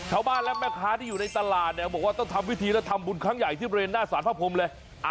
ชาวบ้านและแม่ค้าที่อยู่ในตลาดเนี่ยบอกว่าต้องทำวิธีและทำบุญครั้งใหญ่ที่บริเวณหน้าสารพระพรมเลย